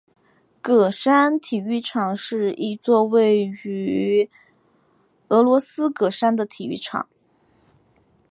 喀山体育场是一座位于俄罗斯喀山的体育场。